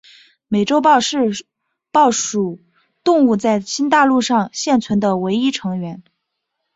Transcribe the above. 美洲豹是豹属动物在新大陆上现存的唯一成员。